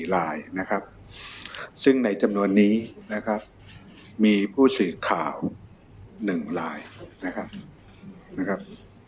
ลายนะครับซึ่งในจำนวนนี้นะครับมีผู้สื่อข่าว๑ลายนะครับ